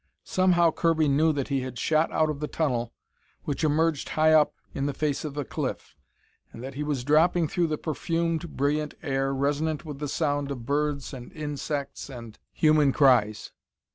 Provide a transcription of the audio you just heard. Somehow Kirby knew that he had shot out of the tunnel, which emerged high up in the face of a cliff, and that he was dropping through perfumed, brilliant air resonant with the sound of birds and insects and human cries.